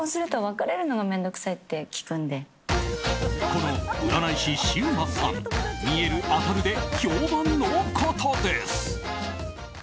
この占い師シウマさん見える、当たるで評判の方です。